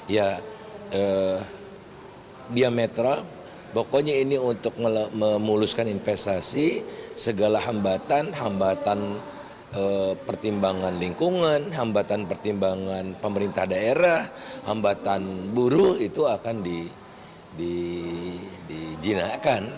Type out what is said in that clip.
ya diametral pokoknya ini untuk memuluskan investasi segala hambatan hambatan pertimbangan lingkungan hambatan pertimbangan pemerintah daerah hambatan buruh itu akan dijinakkan